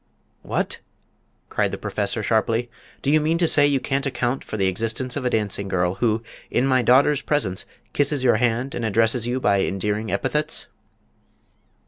"What!" cried the Professor, sharply, "do you mean to say you can't account for the existence of a dancing girl who in my daughter's presence kisses your hand and addresses you by endearing epithets?"